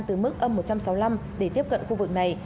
từ mức âm một trăm sáu mươi năm để tiếp cận khu vực này